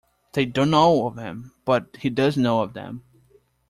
They don't know of him, but he does know of them.